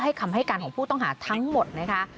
คำให้การของผู้ต้องหาทั้งหมดนะคะ